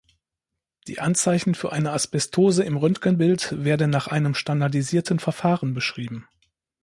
Die Anzeichen für eine Asbestose im Röntgenbild werden nach einem standardisierten Verfahren beschrieben.